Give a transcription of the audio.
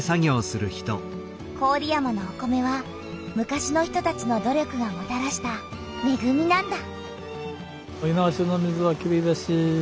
郡山のお米は昔の人たちの努力がもたらしためぐみなんだ。